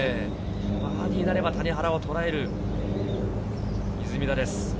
バーディーとなれば、谷原を捉える出水田です。